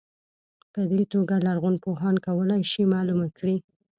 په دې توګه لرغونپوهان کولای شي معلومه کړي.